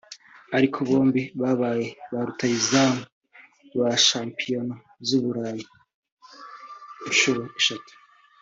ariko bombi babaye ba rutahizamu ba shampiyona z’i Burayi inshuro eshatu